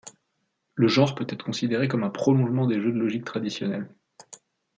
Le genre peut être considéré comme un prolongement des jeux de logiques traditionnels.